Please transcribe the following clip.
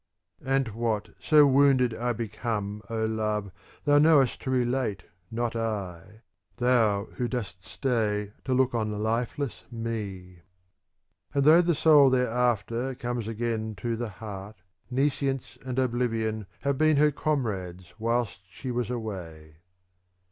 And what, so wounded, I become, O Love, thou knowest to relate, not I, thou who dost stay to look on lifeless me : And though the soul thereafter come again to the heart, nescience and oblivion have been her com rades whilst she was away.